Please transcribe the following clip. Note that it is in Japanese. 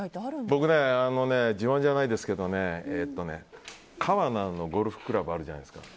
僕ね、自慢じゃないですけどねゴルフクラブあるじゃないですか。